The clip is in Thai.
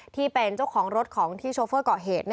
ที่เป็นเจ้าของรถของที่โชเฟอร์เกาะเหตุ